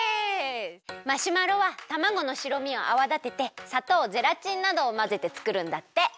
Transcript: マシュマロはたまごの白身をあわだててさとうゼラチンなどをまぜてつくるんだって。